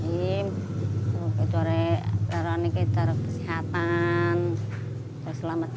saya ingin memiliki kekuatan yang baik dan selamat